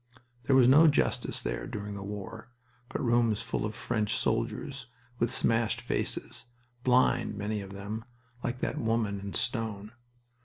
There was no justice there during the war, but rooms full of French soldiers with smashed faces, blind, many of them, like that woman in stone.